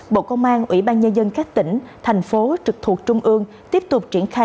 bộ công an ủy ban nhân dân các tỉnh thành phố trực thuộc trung ương tiếp tục triển khai